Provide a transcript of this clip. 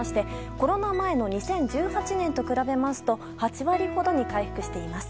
コロナ前の２０１８年と比べると８割ほどに回復しています。